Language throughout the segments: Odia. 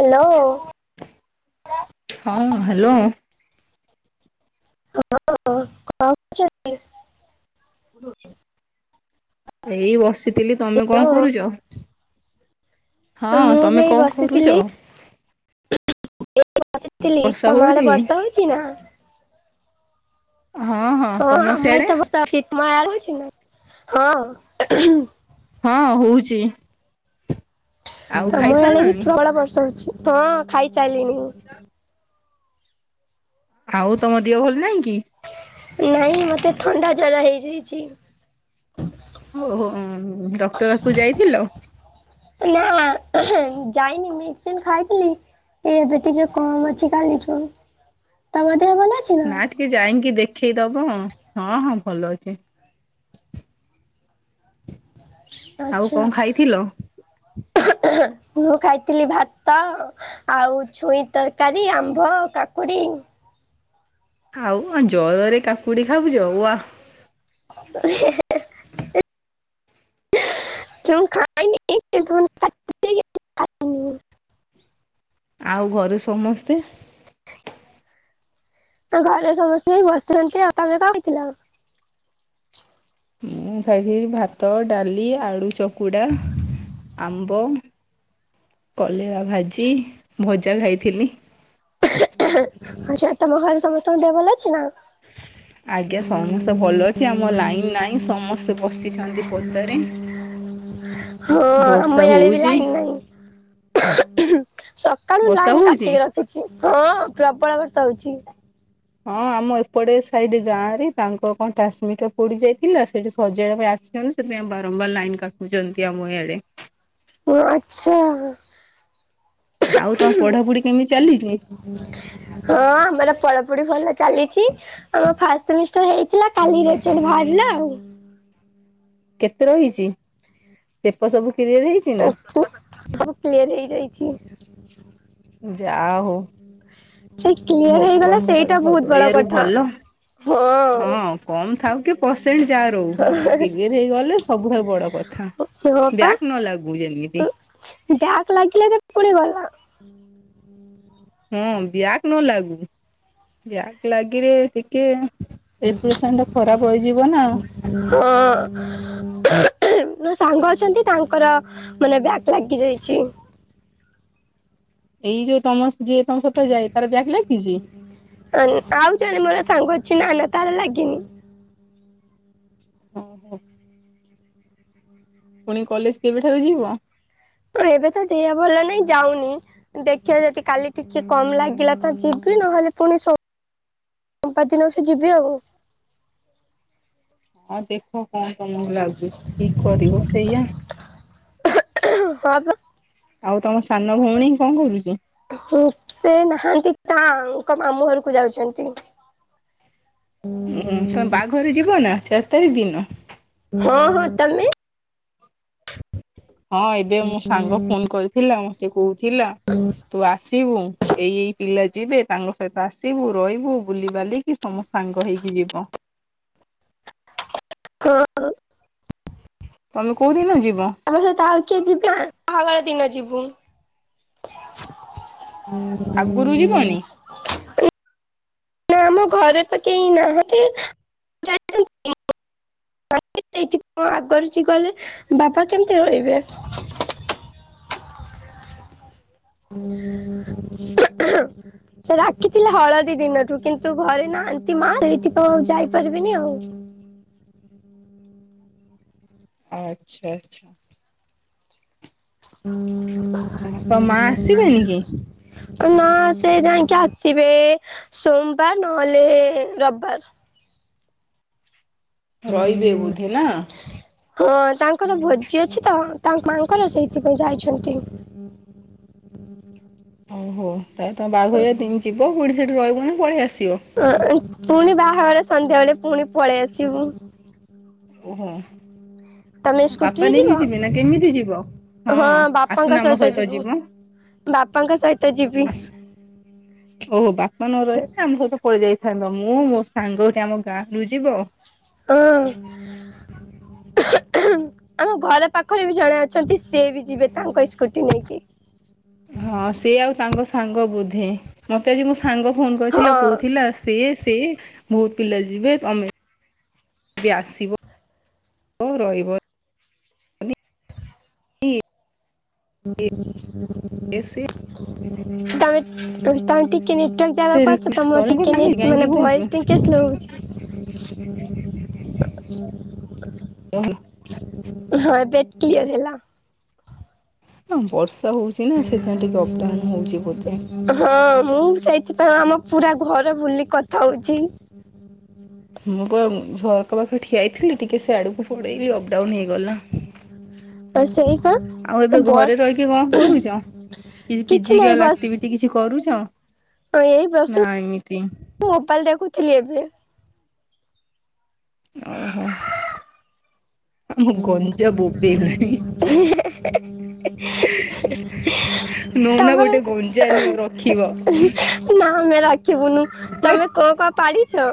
ହ୍ୟାଲୋ। ହଁ ହ୍ୟାଲୋ। ହଁ ହଁ କଣ କରୁଛନ୍ତି। ଏଇ ବସି ଥିଲି ତମେ କଣ ହ୍ୟାଲୋ କରୁଛ ହଁ ମୁଁ ବି ତମେ ଏଇ କଣ ବସିଥିଲି କରୁଛ। ବସିଥିଲି ବର୍ଷା ତମଆଡେ ହଉଛି? ବର୍ଷା ହଉଛିି ନା। ହଁ ହଁ। ହଁ ତମ ଆମର ଆଡେ ସିଆଡେ ତ ବସା ଅଛି ତମ ଆଡେ ହୋଇଛି ନା ହଁ। ହଁ ହୋଉଛି। ଆମ ବଳେ ବି ଖାଇସାରିଲଣି? ପ୍ରବଳ ବର୍ଷ ହଉଛି ହଁ ଖାଇଚାଲିନି। ଆଉ ତମ ଦିଅ ଭଲ ନହିଁ କି। ନାଇଁ ମତେ ଥଣ୍ଡା ଜର ହେଇଯାଇଛି। ଓହୋ ଡକ୍ଟର ପାଖକୁ ଯାଇଥିଲ। ନା ଯାଇନି ମେଡିସିନ୍ ଖାଇଥିଲି। ଏ ଏବେ ଟିକ କମ୍ ଅଛି କାଲିଠୁ ତମ ଦେହ ଭଲ ଅଛି। ନା ଟିକେ ଯାଇକି ଦେଖେଇଦବ ହଁ ହଁ ଭଲ ଅଛି। ଆଉ ଆଚ୍ଛା କଣ ଖାଇଥିଲ? ମୁଁ ଖାଇଥିଲି ଭାତ। ଆଉ ଛୁଇଁ ତରକାରୀ ଆମ୍ବ କାକୁଡି। ଆଉ ଜରରେ କାକୁଡି ଖାଉଛ ବା। [unintelligible] କାଇ [unintelligible] ଆଉ ଘରେ ସମସ୍ତେ। ଆ ଘରେ ସମସ୍ତେ ହେଇ ବସିଛନ୍ତି ଆଉ ତମେ କରଥିଲ। ଖାଇଥିଲି ଭାତ ଡାଲି ଆଳୁ ଚକୁଡା ଆମ୍ବ। କଲେରା ଭାଜି ଭଜା ଖାଇଥିଲି। ହେ ଆଛା ତମ ଘରେ ସମସ୍ତଙ୍କ ଦେହ ଭଲ ଅଛି ନା? ଆଜ୍ଞା ସମସ୍ତେ ଭଲ ଅଛି ଆମ ଲାଇନ ନାହିଁ ସମସ୍ ସ୍ତେ ବସିଛନ୍ତି ପଦାରେ। ହଁ ବର୍ଷା ଆମ ୟାଡେବି ହଉଛି ଲାଇନ ନାହିଁ। ଉଖୁ ଉହୁଁ ସକାଳୁ ବର୍ଷା ଲାଇନ ହଉଛି କାଟିକି ରଖିଛି ହଁ ପ୍ରବଳ ବର୍ଷା ହଉଛି। ହଁ ଆମ ଏପଟେ ସାଇଡ ଗାଁ ରେ ତାଙ୍କ କଣ ଟ୍ରାନ୍ସମିଟର୍ ପୋଡି ଯାଇଥିଲା ସେଠି ସଜାଡ଼ିବା ପାଇଁ ଆସି କାରଣ ସେଥିପାଇଁ ବାରମ୍ବାର ଲାଇନ କାଟୁଛନ୍ତି ଆମ ଏଇଡେ। ହଁ ଆଚ୍ଛା। ଆଉ ତମ ପଢାପଢି କେମିତି ଚାଲିଛି? ହଁ ଆମର ପଢ଼ାପଢ଼ି ଭଲ ଚାଲିଛି। ଆମ ଫାଷ୍ଟ ସେମିଷ୍ଟାର୍ ହେଇଥିଲା କାଲି ରେଜଲ୍ଟ ବାହାରିଲା ଆଉ। କେତେ ରହିଛି? ପେପର ସବୁ କିଲିଅର ହେଇଛି? ଓ ନା? ହୋ ସବୁ କ୍ଲିୟର ହେଇଯାଇଛି। ଯାହାହୋଉ। ସେ କ୍ଲିୟର ହେଇଗଲା ଭଗବାନଙ୍କ ଠାରୁ ସେଇଟା ବହୁତ ଭଲ ବଡ ଏୟାରୁ କଥା ଭଲ ହଁ। କମ ଥାଉ କି ପରସେଣ୍ଟ ଯା ରହୁ କିଲିୟର ହେଇଗଲେ ସବୁଠାରୁ ବଡ କଥା। ହଁ ବ୍ୟାକ ପା। ନ ଲାଗୁ ଯେମିତି। ବ୍ୟାକ୍ ଲାଗିଲେ ଯେ ପଡିଗଲା। ହଁ ବ୍ୟାକ ନ ଲାଗୁ ବ୍ୟାକ ଲାଗିରେ ଟିକେ ଏପ୍ରସେନ୍ ଟା ଖରାପ ହେଇଯିବ ନା? ହଁ। ନା ସାଙ୍ଗ ଅଛନ୍ତି ତାଙ୍କର ମନେ ବ୍ୟାକ ଲାଗି ଯାଇଛି। ଏଇ ଯୋଉ ତମ ଯିଏ ତମ ସହିତ ଯାଏ, ତାର ବ୍ୟାକ୍ ଲାଗିଚି? ଆଉ ଜଣେ ମୋର ସାଙ୍ଗ ଅଛି ନା-ନା ତାର ଲାଗିନି। [unintelligible] ପୁଣି କଲେଜ କେବେଠାରୁ ଯିବ? ମୋର ଏବେ ତ ଦେହ ଭଲ ନାହିଁ ଯାଉନି। ଦେଖିଆ ଯଦି କାଲି ଟିକେ କମ୍ ଲାଗିଲା ତ ଯିବି, ନହେଲେ ପୁଣି ସୋ ସୋମବାର ଦିନଠୁ ଯିବି ଆଉ। ହଁ ଦେଖ କଣ ତମକୁ ଲାଗୁଚି, ଠିକ୍ କରିବ ସେଇଆ। ହଁ ବା। ଆଉ ତମ ସାନ ଭଉଣୀ କଣ କରୁଚି? ହୁଁ ସେ ନାହାନ୍ତି, ତାଙ୍କ ମାମୁଁ ଘରୁକୁ ଯାଇଚନ୍ତି। ହୁଁ ତମେ ବାହାଘରେ ଯିବ ନା ଚାରି ତାରିଖ ଦିନ? ହଁ-ହଁ ତମେ? ହଁ ଏବେ ମୋ ସାଙ୍ଗ ଫୋନ୍ କରିଥିଲା, ମତେ କହୁଥିଲା। ତୁ ଆସିବୁ, ଏଇ-ଏଇ ପିଲା ଯିବେ ତାଙ୍କ ସହିତ ଆସିବୁ ରହିବୁ ବୁଲିିବାଲିିକି [unintelligible] ସାଙ୍ଗ ହେଇକି ଯିବ। ହଁ। ତମେ କୋଉଦିନ ଯିବ? ଆମ ସହିତ ଆଉ କିଏ [unintelligible] ବାହାଘର ଦିନ ଯିବୁ। ଆଗରୁ [inaudible] ଯିବନି? ନା ଆମ ଘରେ ତ କେହି ନାହାନ୍ତି [inaudible] [inaudible] କହିଲେ ବାପା କେମ୍ତି ରହିବେ। [inaudible] ଉଁ ହୁଁ ସେ ଡାକିଥିଲେ ହଳଦୀ ଦିନଠୁ କିନ୍ତୁ ଘରେ ନାହାନ୍ତି ମା ସେଇଥିତ ଆଉ ଯାଇପାରିବିନି ଆଉ। ଆଚ୍ଛା-ଆଚ୍ଛା। ଓହୋ ତୋ ମା ଆସିବେନି କି? [inaudible] ଏ ନା ସେ ଯାଇଁକି ଆସିବେ ସୋମବାର ନହେଲେ ରବିବାର। ରହିବେ ବୋଧେ ନା? ହଁ ତାଙ୍କର ଭୋଜି ଅଛି ତ ତାଙ୍କ ମାଙ୍କର ସେଇଥିପାଇଁ ଯାଇଛନ୍ତି। ହଉ-ହଉ ତାହଲେ ତମେ ବାହାଘର ଦିନ୍ ଯିବ [unintelligible] ସେଇଠି ରହିବନି ପଳେଇ ଆସିବ। ଅ ପୁଣି ବାହାଘର ସନ୍ଧ୍ୟାବେଳେ ପୁଣି ପଳେଇ ଆସିବୁ। ଓହୋ। ତମେ ବାପା ସ୍କୁଟିରେ ନେଇକି ଯିବ, ଯିବେ ନା କେମିତି ଯିବ? ହଁ ଆସୁନ ବାପାଙ୍କ ଆମ ସହିତ ଯିବୁ। ଯିବ ବାପାଙ୍କ ସହିତ ଯିବି। ଆସ ଓହୋ ବାପା ନ ରହିଥିଲେ ଆମ ସହିତ ପଳେଇ ଯାଇଥାନ୍ତ, ମୁଁ ମୋ ସାଙ୍ଗ ଗୋଟେ ଆମ ଗାଁରୁ ଯିବ। [unintelligible] ଆମ ଘର ପାଖରେ ବି ଜଣେ ଅଛନ୍ତି ସିଏ ବି ଯିବେ ତାଙ୍କ ସ୍କୁଟି ନେଇକି। ହଁ ସିଏ ଆଉ ତାଙ୍କ ସାଙ୍ଗ ବୋଧେ, ମତେ ଆଜି ମୋ ସାଙ୍ଗ ଫୋନ୍ କରିଥିଲା ହଁ କହୁଥିଲା ସିଏ ସେ ବହୁତ୍ ପିଲା ଯିବେ, ତମେ ବି ଆସିବ ରହିବ। ଇଏ ସିଏ ତମେ-ତମେ ଟିକେ [unintelligible] ଏତେ ଜାଗାକୁ ଆସ ରିକ୍ୱେଷ୍ଟ ତମର କର ମୁଁ କହିଲି ଟିକେ ମାମି ନେଟ୍ କାହିଁକି ମାନେ ହଉଛୁ? ଭଏସ୍ ଟିକେ ସ୍ଲୋ ହଉଚି। ହଁ ଏବେ କିୟର୍ ହେଲା। ହଁ ବର୍ଷା ହଉଛି ନା ସେଇଥିପାଇଁ ଟିକେ ଅପଡାଉନ୍ ହେଉଛି ବୋଧେ। ହଁ ମୁଁ ସେଇଥିପାଇଁ ଆମ ପୁରା ଘର ବୁଲି କଥା ହଉଛି। ମୁଁ ପା ଝର୍କା ଠିଆଇଥିଲି ଟିକେ ସେଆଡକୁ ପଳେଇଲୀ ଅପଡାଉନ ହେଇଗଲା। ଆଉ ସେଇ ପା ଆଉ ଏବେ ବସ୍ ଘରେ ରହିକି କଣ କରୁଚ, କିଛି ପିଯିକାଲ ଆକ୍ଟି ବିଟି କିଛି କରୁଚ? ହଁ ଏଇ ବସ ମୁଁ ମୋବାଇଲ୍ ଦେଖୁଥିଲି ଏବେ। ଓହୋ, ଆମ ଗଞ୍ଜା ବୋବେଇ ଲାଣି। [unintelligible] [unintelligible] ନଉନା ତମର ଗୋଟେ [unintelligible] ଗଞ୍ଜା ନିଅ ରଖିବ। ନା ଆମେ ରାଗିବୁ ନୁ ତମେ କଁ କଁ ପାଳିଚ?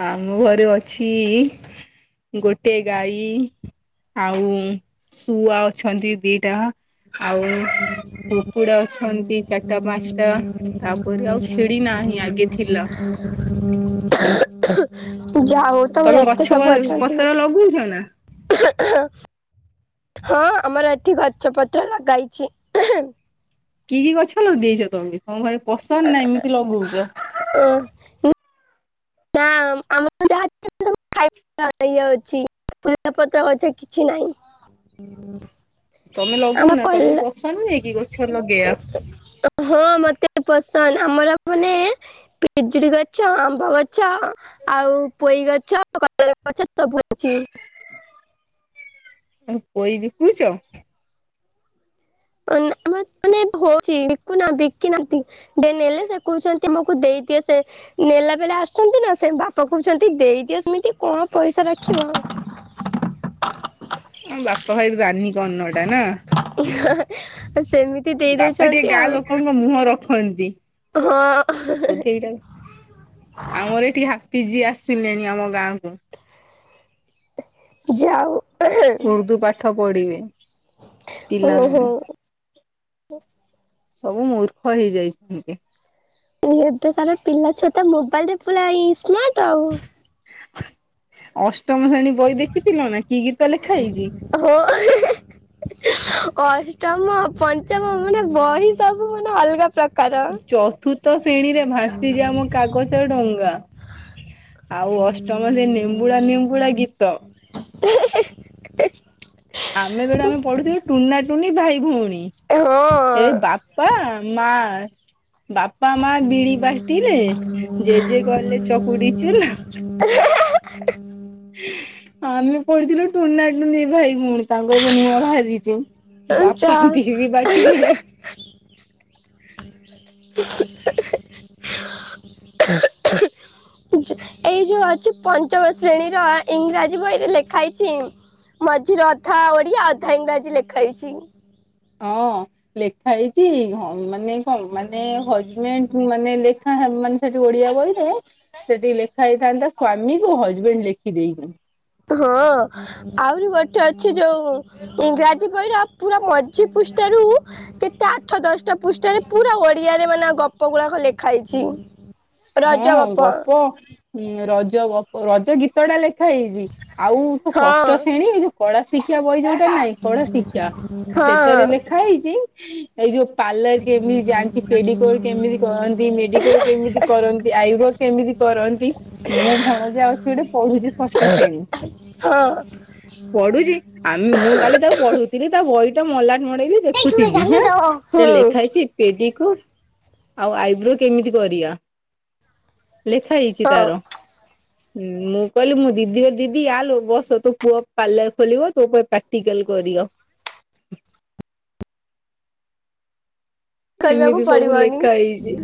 ଆମ ଘରେ ଅଛି ଗୋଟେ ଗାଈ, ଆଉ ଶୁଆ ଅଛନ୍ତି ଦିଟା ଆଉ କୁକୁଡା ଅଛନ୍ତି ଚାଟା ପାଞ୍ଚଟା ତାପରେ ଆଉ ଛେଳି ନାହିଁ ଆଗେ ଥିଲା। ଯା ଉ ତମର ଏତେ ସବୁ ଅଛନ୍ତି। ଲଗୋଉଚ ନା? [unintelligible] ହଁ ଆମର ଏଠି ଗଛ ପତ୍ର ଲଗାଇଛି। କି କି ଗଛ ଲଗେଇଛ ତମେ, ତମକୁ ଭାରି ପସନ୍ଦ ନା ଏମିତି ଲଗଉଛ? ଅ ଆମର [inaudible] ଯାହା ଖାଇବା ଇ ଅଛି ଫୁଲପତ୍ର ଅଛ କିଛି ନାଇଁ। ତମେ ଲଗଉନା ତମକୁ ପସନ୍ଦ ନୁହେଁ କି ଗଛ ଲଗେଇବା? ହଁ ମତେ ପସନ୍ଦ ଆମର ମାନେ ପିଜୁଳି ଗଛ, ଆମ୍ବ ଗଛ ଆଉ ପୋଇ ଗଛ, କଦଳୀ ଗଛ ସବୁ ଅଛି। [inaudible] ଆଉ ପୋଇ ବିକୁଚ? ନା ଆମ ମାନେ ହଉଚି ବିକୁନା ବିକି ନାହାନ୍ତି ଯେ ନେଲେ ସେ କହୁଛନ୍ତି ଆମକୁ ଦେଇଦିଏ ସେ ନେଲା ବେଳେ ଆସୁଛନ୍ତି ନା ସେ ବାପା କହୁଛନ୍ତି ଦେଇଦିଅ ସେମିତି କଣ ପଇସା ରଖିବ। ଆଁ ବାପା ଭାରି ଦାନି କର୍ଣ୍ଣ ଟା ନା। ଆଁ ହା ଆଉ ସେମିତି ଦେଇଦଉଛନ୍ତି ଆଉ। ମୋ ମୁହଁ ରଖନ୍ତି ହଁ। ବୋଧେ ଏଇଟାକୁ ଆମର ଏଠି ହାପି ଜି ଆସିଲେଣି ଆମ ଗାଁକୁ। ଯାଉ ଉର୍ଦୁ ପାଠ ପଡିବେ। ଓ ହୋ। ସବୁ ମୂର୍ଖ ହେଇଯାଇଛନ୍ତି। ଏବେ କାର ପିଲା ଛୁଆ ତ ମୋବାଇଲ ରେ ପୁରା ଇସ୍ମାର୍ଟ ଆଉ। ଅଷ୍ଟମ ଶ୍ରେଣୀ ବହି ଦେଖିଥିଲ ନା କି ଗୀତ ଲେଖା ହେଇଛି? ହଁ [unintelligible] ଅଷ୍ଟମ, ପଞ୍ଚମ ମାନେ ବହି ସବୁ ମାନେ ଅଲଗା ପ୍ରକାର। ଚତୁର୍ଥ ଶ୍ରେଣୀରେ ଭାସିଯାଆ ମୋ କାଗଜ ଡଙ୍ଗା। ଆଉ ଅଷ୍ଟମ ସେ ନେମ୍ବୁଡା ନେମ୍ବୁଡା ଗୀତ। ଆମେ ବେଳେ ଆମେ ପଢୁଥିଲୁ ଟୁନା ଟୁନି ଭାଇ ଭଉଣୀ ଏ ହଁ ବାପା ମା ବାପା ମା ବିରି ବାଟିଲେ। ଜେଜେ କଲେ ଚକୁଡି ଚୁନା। [unintelligible] ଆମେ ପଢିଥିଲେ ଟୁନା ଟୁନି ଭାଇ ଭଉଣୀ। ତାଙ୍କ ଏବେ ନୂଆ ଭାରିଚି ଚା ବାପା ବିରି ବାଟିବେ। ଏଯେ ଏଇ ଯୋଉ ଅଛି ପଞ୍ଚମ ଶ୍ରେଣୀର ଇଂରାଜୀ ବହିରେ ଲେଖା ହେଇଛି ଇଁ ମଝିରେ ଅଧା ଓଡିଆ ଅଧା ଇଂରାଜୀ ଲେଖା ହେଇଛି। ହଁ, ଲେଖା ହେଇଛି ହଁ ମାନେ କଣ ମାନେ ହଜବେଣ୍ଡ ମାନେ ଲେ ହଁ, ହଁ ମାନେ ସେଠି ଓଡିଆ ବହିରେ ସେଟି ଲେଖା ହେଇଥାନ୍ତା ସ୍ଵାମୀକୁ ହଜବେଣ୍ଡ ଲେ ଖିଦେଇଚନ୍ତି। ହଁ। ଆହୁରି ଗୋଠେ ଅଛି ଯୋଉ ଇଂରାଜୀ ବହିର ପୁରା ମଝି ପୃଷ୍ଠାରୁ କେତେ ଆଠ ଦଶଟା ପୃଷ୍ଠାରେ ପୁରା ଓଡିଆରେ ମାନେ ଗପ ଗୁଳାକ ଲେଖା ହେଇଛି। ହଁ ଗପ ଉଁ, ରଜ ଗପ, ରଜ ଗୀତ ଟା ଲେଖା ହେଇଚି। ଆଉ ତ ହଁ ଷଷ୍ଠ ଶ୍ରେଣୀ ଏ ଯୋଉ କଳା ଶିକ୍ଷା ବହି ଯୋଉଟା ନାଇଁ କଳା ଶିକ୍ଷା। ହଁ ସେଟାରେ ହଁ। ଲେଖା ହେଇଚି ଏଇ ଯୋଉ ପାର୍ଲର କେମିତି ଯାଆନ୍ତି, ପେଡିକୋର୍ କେମିତି କରନ୍ତି? ମେଡିକୋର୍ କେମିତି କରନ୍ତି? ଆଇ ବ୍ରୋ କେମିତି କରନ୍ତି? ମୁଁ ଭଣଜା ଅଛି ଗୋଟେ ପଢୁଛି ଷଷ୍ଠ ଶ୍ରେଣୀ। ହଁ। ପଢୁଚି ଆ, ମୁଁ କାଲି ତା ପଢୁଥିଲି ତା ବହି ତା ମଲାଟ ମଡେଇଲି ଦେଖୁଥିଲି ହେଁ ସେ ଲେଖା ହେଇଛି ପେଡିକୋର୍ ଆଉ ଆଇବ୍ରୋ କେମିତି କରିବା? ଲେଖା ହେଇଛି ହଁ ତାର ଉଁ,। ମୁଁ କହିଲି ମୋ ଦିଦି ଲୋ ଦିଦି ଆଲୋ ବସ ତୋ ପୁଅ ପାର୍ଲର ଖୋଲିବ ତୋ ଉପରେ ପ୍ରାକ୍ଟିକାଲ୍ କରିବ। କରିବାକୁ ଏମିତି ସବୁ ପଡିବନି ଲେଖା ହେଇଛି,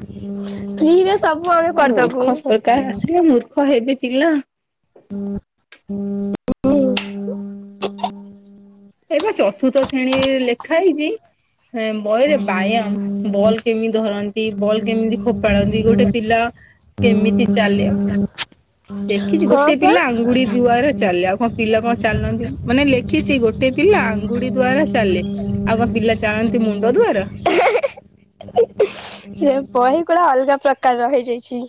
ଫ୍ରିରେ ସବୁ ଆମେ ହଁ କରିଦବୁ ମୂର୍ଖ ସରକାର ଆସିଲା ମୂର୍ ଖ ହେବେ ପିଲା। [unintelligible] [inaudible] ଏଇ ବା ଚତୁର୍ଥ ଶ୍ରେଣୀ ରେ ଲେଖା ହେଇଛି ଏଁ ବହିରେ ବାୟାମ। ବଲ୍ କେମିତି ଧରନ୍ତି? ବଲ୍ କେମିତି ଖୋପାଡନ୍ତି? ଗୋଟେ ପିଲା କେମିତି ଚାଲିବ? ହୁଁ। ଲେଖିଛି ଗୋଟେ ପିଲା ଆଙ୍ଗୁଳି ଦୁଆରେ ଚାଲେ ଆଉ କଣ ପିଲା କଣ ଚାଲନ୍ତି, ମାନେ ଲେଖିଛି ଗୋ ପିଲା ଆଙ୍ଗୁଡି ଦ୍ଵାରା ଚାଲେ, ଆଉ କଣ ପିଲା ଚାଳନ୍ତି ମୁଣ୍ଡ ଦ୍ଵାରା? ଏ ବହି କୁଡା ଅଲଗା ପ୍ରକାର ର ହେଇଯାଇଛି।